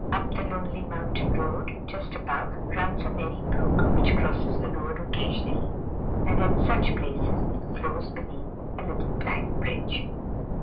Up the lonely mountain road, just above, runs a merry brook which crosses the road occasionally, and at such places it flows beneath a little plank bridge.